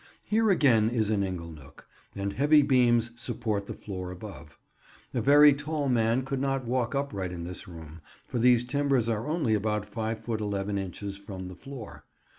Here again is an ingle nook, and heavy beams support the floor above. A very tall man could not walk upright in this room, for these timbers are only about 5 ft. 11 inches from the floor.